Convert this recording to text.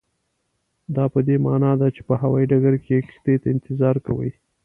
دا پدې معنا ده چې په هوایي ډګر کې کښتۍ ته انتظار کوئ.